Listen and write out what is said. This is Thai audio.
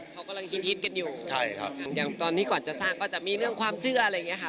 เขากำลังฮินฮิตกันอยู่ใช่ครับอย่างตอนนี้ก่อนจะสร้างก็จะมีเรื่องความเชื่ออะไรอย่างเงี้ค่ะ